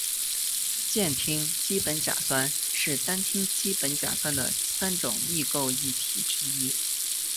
间羟基苯甲酸是单羟基苯甲酸的三种异构体之一。